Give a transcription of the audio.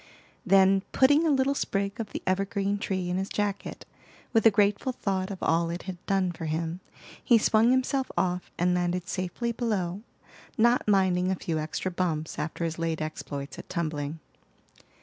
Then putting a little sprig of the evergreen tree in his jacket, with a grateful thought of all it had done for him, he swung himself off and landed safely below, not minding a few extra bumps after his late exploits at tumbling.